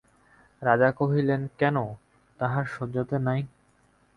রাজা কহিলেন, কেন, তাহার শয্যাতে নাই?